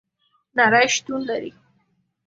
نړۍ شتون لري